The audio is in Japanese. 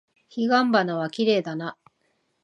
彼岸花はきれいだな。